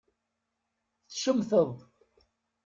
Tcemteḍ